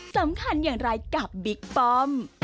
สำคัญอย่างไรกับบิ๊กป้อม